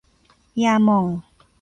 ยาหม่อง